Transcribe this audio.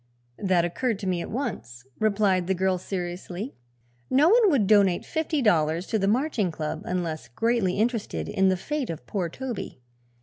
"That occurred to me at once," replied the girl seriously. "No one would donate fifty dollars to the Marching Club unless greatly interested in the fate of poor Toby.